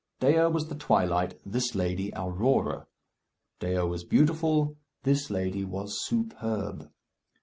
Dea was the twilight, this lady, Aurora. Dea was beautiful, this lady was superb.